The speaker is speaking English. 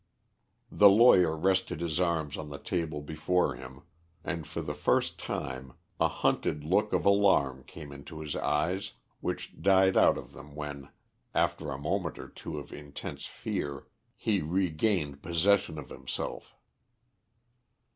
The lawyer rested his arms on the table before him, and for the first time a hunted look of alarm came into his eyes, which died out of them when, after a moment or two of intense fear, he regained possession of himself.